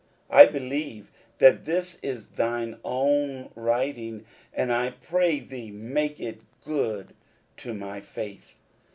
1 believe that this is thine own writing ; and I pray thee make it good to my faith."